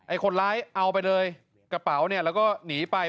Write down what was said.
คนร้ายเอาไปเลยกระเป๋าเนี่ยแล้วก็หนีไป